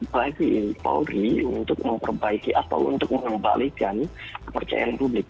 bagi polri untuk memperbaiki atau untuk mengembalikan kepercayaan publik